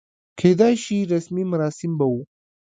کېدای شي رسمي مراسم به و.